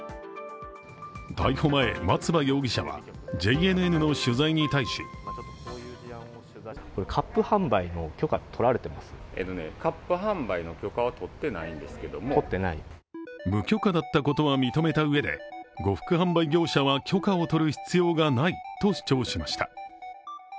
逮捕前、松葉容疑者はＪＮＮの取材に対し無許可だったことは認めたうえで呉服販売業者は許可を取る必要がないと主張しました。